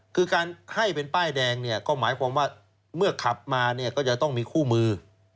คือการให้เป็นป้ายแดงเนี่ยก็หมายความว่าเมื่อขับมาเนี่ยก็จะต้องมีคู่มือ